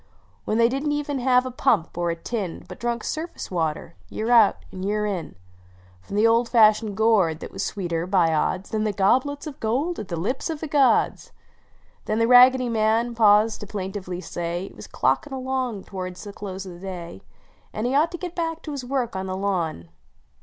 When they didn t have even a pump, or a tin, But drunk surface water, year out and year in, 4 From the old fashioned gourd that was sweeter, by odds, Than the goblets of gold at the lips of the gods! " Then The Raggedy Alan paused to plaintively say It was clockin alon<r to rds the close of the dav And he d ought to get back to his work on the lawn.